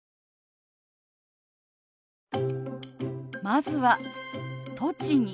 まずは「栃木」。